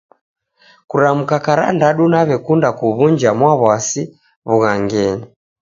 kuramuka karandadu nawekunda kuw'unja Mwawasi w'ughangenyi.